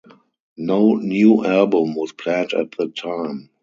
No new album was planned at the time.